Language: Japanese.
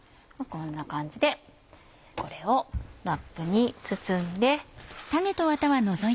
こんな感じでこれをラップに包んで。